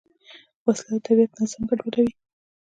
وسله د طبیعت نظم ګډوډوي